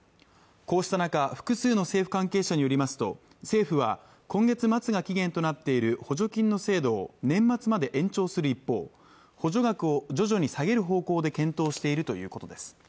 こうした中、複数の政府関係者によりますと政府は今月末が期限となっている補助金の制度を年末まで延長する一方補助額を徐々に下げる方向で検討しているということです